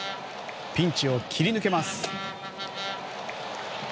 ピンチを切り抜けます。